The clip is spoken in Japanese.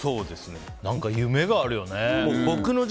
何か夢があるよね。